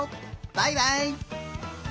バイバイ！